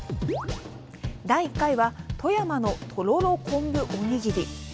第１回は富山の「とろろ昆布おにぎり」。